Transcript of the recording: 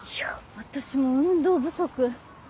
私も運動不足。